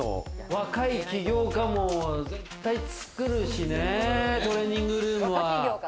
若い起業家も絶対作るしね、トレーニングルームは。